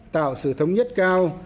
tạo sự thống nhất cao